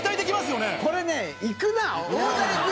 これね、いくな。